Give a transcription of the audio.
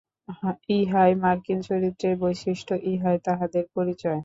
ইহাই মার্কিন চরিত্রের বৈশিষ্ট্য-ইহাই তাঁহাদের পরিচয়।